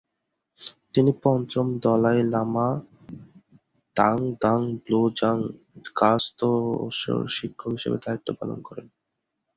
তিনি পঞ্চম Dalai Lama ঙ্গাগ-দ্বাং-ব্লো-ব্জাং-র্গ্যা-ম্ত্শোর শিক্ষক হিসেবে দায়িত্ব পালন করেন।